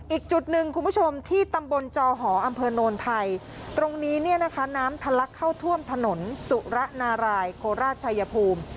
อีกจุดหนึ่งคุณผู้ชมที่ตำบลจอหออำเภอโนนไทยตรงนี้เนี่ยนะคะน้ำทะลักเข้าท่วมถนนสุระนารายโคราชชายภูมิ